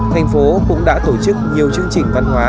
thành phố cũng đã tổ chức nhiều chương trình văn hóa